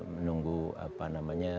menunggu apa namanya